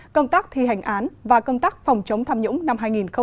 công tác thi hành án và công tác phòng chống tham nhũng năm hai nghìn hai mươi